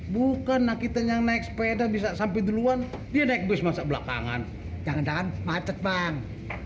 bukan kita yang naik sepeda bisa sampai duluan dia naik bus masa belakangan jangan jangan macet bang